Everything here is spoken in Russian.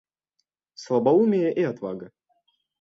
Слабоумие и отвага.